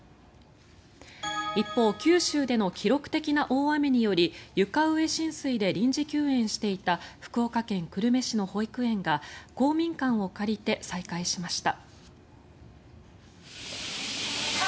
一方、九州での記録的な大雨により床上浸水で臨時休園していた福岡県久留米市の保育園が公民館を借りて再開しました。